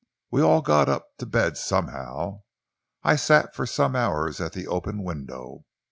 We all got up to bed somehow. I sat for some hours at the open window.